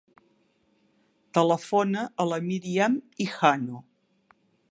Telefona a la Míriam Hijano.